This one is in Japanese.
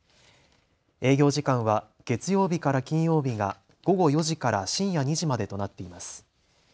営業時間は月曜日から金曜日が午後４時から深夜２時までとなっています。